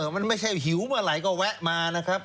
มันไม่ใช่หิวเมื่อไหร่ก็แวะมานะครับ